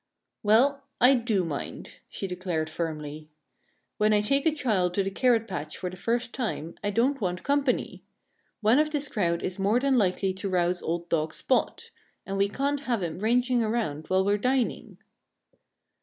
"Well, I do mind," she declared firmly. "When I take a child to the carrot patch for the first time I don't want company. One of this crowd is more than likely to rouse old dog Spot. And we can't have him ranging around while we're dining."